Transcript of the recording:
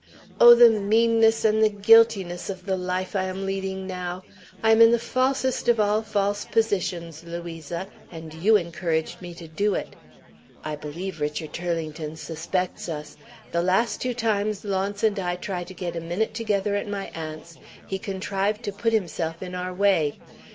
Oh, the meanness and the guiltiness of the life I am leading now! I am in the falsest of all false positions, Louisa, and you encouraged me to do it. I believe Richard Turlington suspects us. The last two times Launce and I tried to get a minute together at my aunt's, he contrived to put himself in our way.